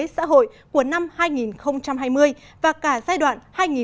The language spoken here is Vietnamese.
xã hội của năm hai nghìn hai mươi và cả giai đoạn hai nghìn hai mươi một hai nghìn hai mươi